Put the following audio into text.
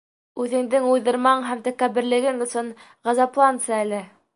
Үҙеңдең уйҙырмаң һәм тәкәбберлегең өсөн ғазаплансы әле!